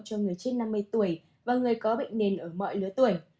cho người trên năm mươi tuổi và người có bệnh nền ở mọi lứa tuổi